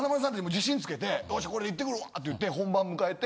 自信つけて「よしこれで行ってくるわ」って言って本番迎えて。